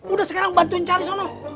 udah sekarang bantuin cari sono